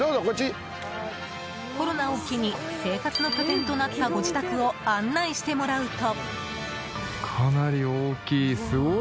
コロナを機に生活の拠点となったご自宅を案内してもらうと。